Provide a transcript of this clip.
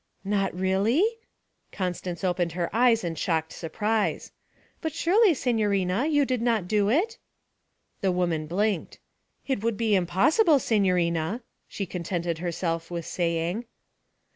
'Not really?' Constance opened her eyes in shocked surprise. 'But surely, signora, you did not do it?' The woman blinked. 'It would be impossible, signorina,' she contented herself with saying.